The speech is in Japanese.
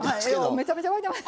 めちゃめちゃ沸いてます。